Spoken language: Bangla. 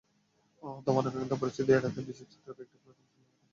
তবে অনাকাঙ্ক্ষিত পরিস্থিতি এড়াতে ভিসি চত্বরে কয়েক প্লাটুন পুলিশ মোতায়েন করা হয়েছে।